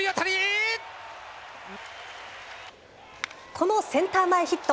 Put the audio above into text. このセンター前ヒット。